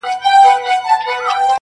دا ګودر زرګر دی دلته پېغلي هم زرګري دي،